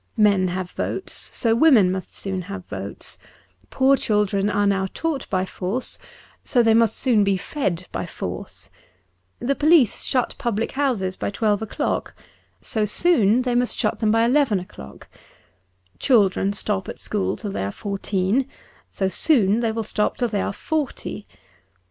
Men have votes, so women must soon have votes ; poor children are taught by force, so they must soon be fed by force ; the police shut public hoiises by twelve o'clock, so soon they must shut them by eleven o'clock : children stop at school till they are fourteen, so soon they will stop till they are forty.